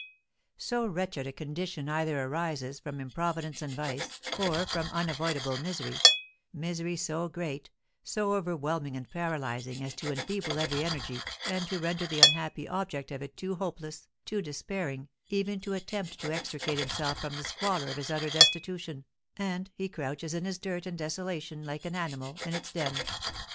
So wretched a condition either arises from improvidence and vice, or from unavoidable misery, misery so great, so overwhelming and paralysing, as to enfeeble every energy, and to render the unhappy object of it too hopeless, too despairing, even to attempt to extricate himself from the squalor of his utter destitution, and he crouches in his dirt and desolation like an animal in its den.